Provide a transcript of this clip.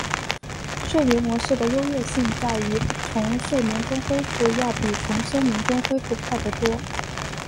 睡眠模式的优越性在于从睡眠中恢复要比从休眠中恢复快得多。